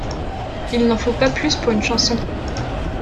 Il n’en faut pas plus pour une chanson.